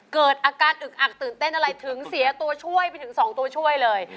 เกิดอาการอึกอักตื่นเต้นอะไรถึงเสียตัวช่วยไปถึง๒ตัวช่วยเลย